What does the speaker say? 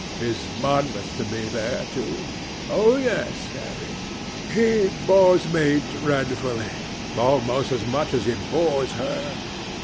"Is Monmouth to be there, too?" "Oh, yes, Harry." "He bores me dreadfully, almost as much as he bores her.